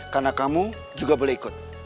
karena kamu juga boleh ikut